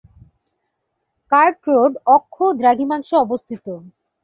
Cart Road অক্ষ-দ্রাঘিমাংশে অবস্থিত।